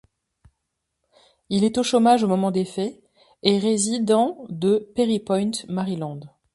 Il est au chômage au moment des faits et résident de Perry Point, Maryland.